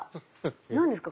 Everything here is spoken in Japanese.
何ですか？